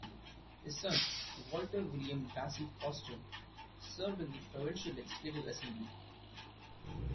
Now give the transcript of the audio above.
His son, Walter William Vassie Foster, served in the provincial Legislative Assembly.